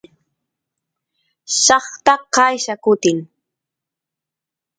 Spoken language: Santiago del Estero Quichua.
llaqta qaylla kutin